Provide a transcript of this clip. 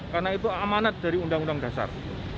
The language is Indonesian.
karena itu amanat dari undang undang dasar